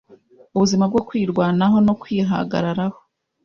ubuzima bwo kwirwanaho no kwihagararaho